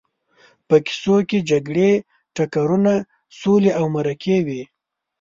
په کیسو کې جګړې، ټکرونه، سولې او مرکې وي.